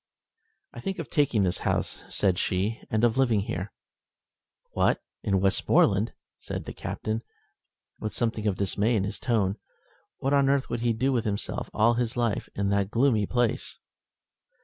"I think of taking this house," said she, "and of living here." "What, in Westmoreland!" said the Captain, with something of dismay in his tone. What on earth would he do with himself all his life in that gloomy place!